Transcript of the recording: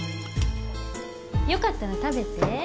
よかったら食べて。